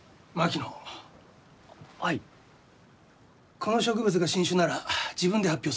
この植物が新種なら自分で発表するのか？